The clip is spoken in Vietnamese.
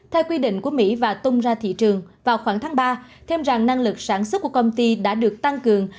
theo quy định của mỹ và tung ra thị trường vào khoảng tháng ba thêm rằng năng lực sản xuất của công ty đã được tăng cường